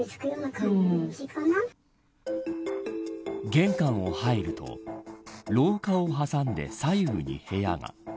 玄関を入ると廊下を挟んで左右に部屋が。